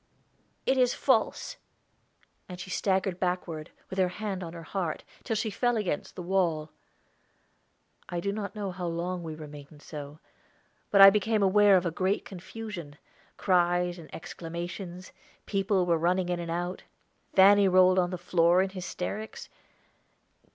"It is false"; and she staggered backward, with her hand on her heart, till she fell against the wall. I do not know how long we remained so, but I became aware of a great confusion cries, and exclamations; people were running in and out. Fanny rolled on the floor in hysterics.